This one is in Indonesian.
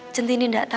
centini gak tau